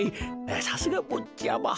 さすがぼっちゃま。